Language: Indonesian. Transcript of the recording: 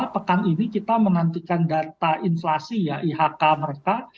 pekan ini kita menantikan data inflasi ya ihk mereka